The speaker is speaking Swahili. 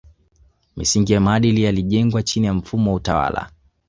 Misingi ya maadili yalijengwa chini ya mfumo wa utawala